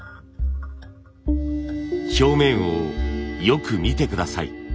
表面をよく見て下さい。